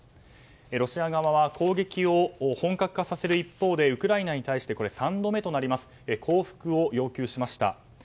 ロシア側は攻撃を本格化させる一方でウクライナに対して３度目となります降伏を要求しました。